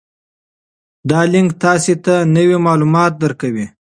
دا لینک تاسي ته نوي معلومات درکوي.